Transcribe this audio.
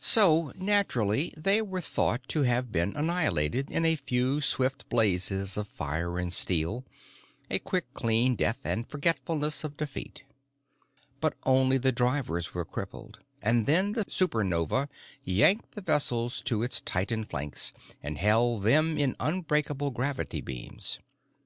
So naturally they were thought to have been annihilated in a few swift blazes of fire and steel, a quick clean death and forgetfulness of defeat. But only the drivers were crippled, and then the Supernova yanked the vessels to its titan flanks and held them in unbreakable gravity beams.